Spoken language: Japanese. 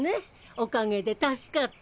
おかげで助かったよ。